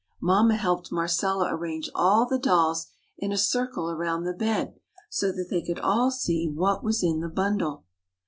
Mamma helped Marcella arrange all the dolls in a circle around the bed so that they could all see what was in the bundle.